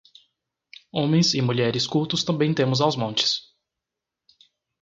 Homens e mulheres cultos também temos aos montes